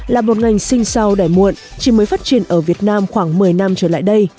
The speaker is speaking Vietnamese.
là một ngành sinh sau đại muộn chỉ mới phát triển ở việt nam khoảng một mươi năm trở lại đây